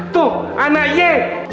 tuh anak ye